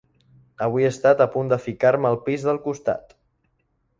Avui he estat a punt de ficar-me al pis del costat.